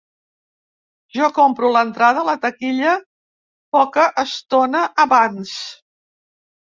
Jo compro l'entrada a la taquilla poca estona abans.